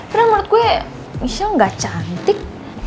karena menurut gue michelle gak cantik